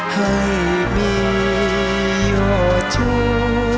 ให้มียอดทุกข์